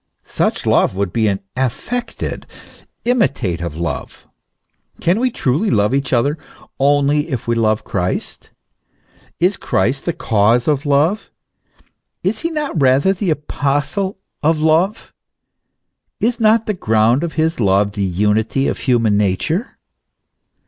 Such love would be an affected, imitative love. Can we truly love each other only if we love Christ? Is Christ the cause of love? Is he not rather the apostle of love? Is not the ground of his love the unity of human nature?